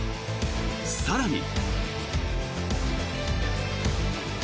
更に。